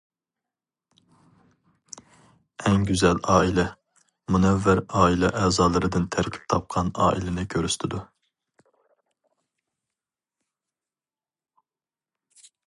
‹‹ ئەڭ گۈزەل ئائىلە›› مۇنەۋۋەر ئائىلە ئەزالىرىدىن تەركىب تاپقان ئائىلىنى كۆرسىتىدۇ.